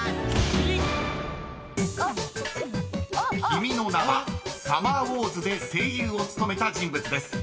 ［『君の名は。』『サマーウォーズ』で声優を務めた人物です］